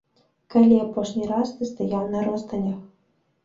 Калі апошні раз ты стаяў на ростанях?